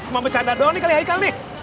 mau bercanda doang nih kali kali